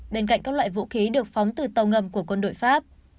bên cạnh các loại vũ khí được phóng từ tàu ngầm của quân đội pháp